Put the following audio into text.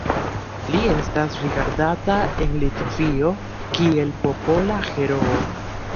Li estas rigardata en Litovio kiel Popola Heroo.